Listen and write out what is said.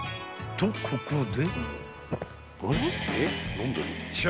［とここで］